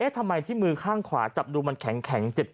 ทำไมที่มือข้างขวาจับดูมันแข็งเจ็บ